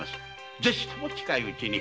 是非とも近いうちに。